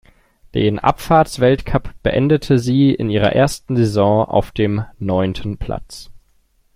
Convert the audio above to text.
Den Abfahrtsweltcup beendete sie in ihrer ersten Saison auf dem neunten Platz.